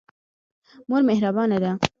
مور مهربانه ده.